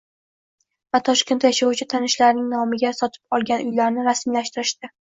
va Toshkentda yashovchi tanishlarining nomiga sotib olgan uylarini rasmiylashtirishdi.